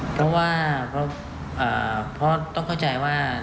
เพราะว่าเพราะต้องเข้าใจว่า